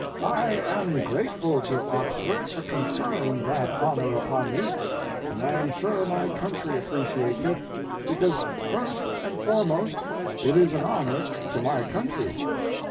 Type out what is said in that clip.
I am grateful to Oxford for conferring that honor upon me, and I am sure my country appreciates it, because first and foremost it is an honor to my country.